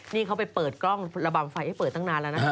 นี่เขาไปเปิดกล้องระบำไฟให้เปิดตั้งนานแล้วนะคะ